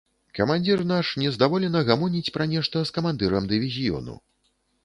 Камандзір наш нездаволена гамоніць пра нешта з камандзірам дывізіёну.